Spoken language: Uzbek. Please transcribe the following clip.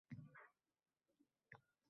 Bu yoxud nasli oting-da butun giryonu giryonda?